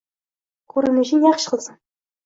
Ko`rinishing yaxshi qizim